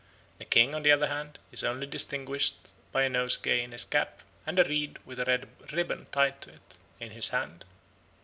The king, on the other hand, is only distinguished by a nosegay in his cap, and a reed, with a red ribbon tied to it, in his hand.